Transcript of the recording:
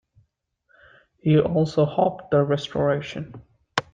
He also hoped the restoration.